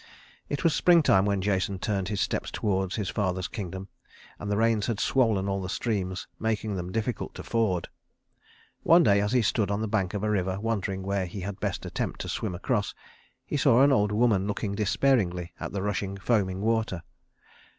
It was springtime when Jason turned his steps toward his father's kingdom, and the rains had swollen all the streams, making them difficult to ford. One day as he stood on the bank of a river, wondering where he had best attempt to swim across, he saw an old woman looking despairingly at the rushing, foaming water.